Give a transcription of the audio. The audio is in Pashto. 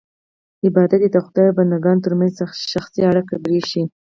عبادت یې د خدای او بندګانو ترمنځ شخصي اړیکه پرېښی.